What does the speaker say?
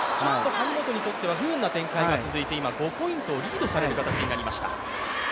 張本にとっては不運な展開が続いて５ポイントリードされる形になりました。